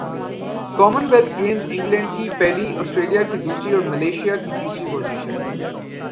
common wealth Games England پہلی Australia دوسری اور ملائشیا کی تیسری پوزیشن